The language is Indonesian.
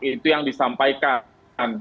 itu yang disampaikan